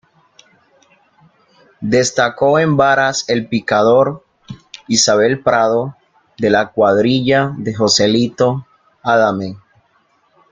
Destacó en varas el picador Isabel Prado de la cuadrilla de Joselito Adame.